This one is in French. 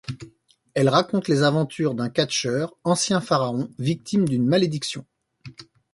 Elle raconte les aventures d'un catcheur, ancien pharaon, victime d'une malédiction.